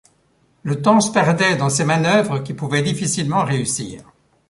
Le temps se perdait dans ces manœuvres qui pouvaient difficilement réussir.